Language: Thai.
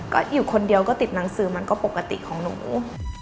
ก็อยู่คนเดียวก็ติดหนังสือมันก็ปกติของหนู